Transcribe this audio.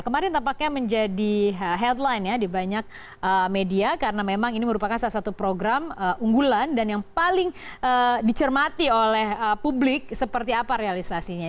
kemarin tampaknya menjadi headline ya di banyak media karena memang ini merupakan salah satu program unggulan dan yang paling dicermati oleh publik seperti apa realisasinya